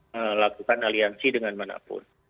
melakukan aliansi dengan manapun